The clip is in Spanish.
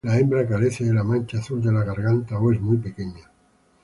La hembra carece de la mancha azul de la garganta o es muy pequeña.